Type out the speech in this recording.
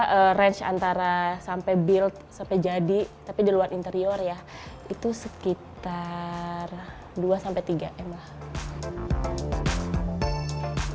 jadi kita buat range antara sampai build sampai jadi tapi di luar interior ya itu sekitar dua sampai tiga ya emang